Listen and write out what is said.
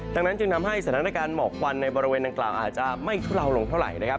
ดังนั้นจึงทำให้สถานการณ์หมอกควันในบริเวณดังกล่าวอาจจะไม่ทุเลาลงเท่าไหร่นะครับ